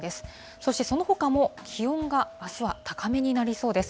そしてそのほかも気温があすは高めになりそうです。